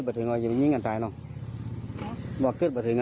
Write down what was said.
จริงจริงแค่แค่วันนี้เสียงได้แค่แค่กระทบอย่างนั้นเขาก็พูดเนอะอืม